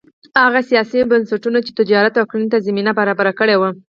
هغه سیاسي بنسټونه چې تجارت او کرنې ته زمینه برابره کړې وه